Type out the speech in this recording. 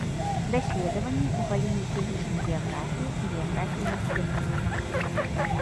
Даследаванні ў галіне фізічнай геаграфіі і геаграфіі насельніцтва.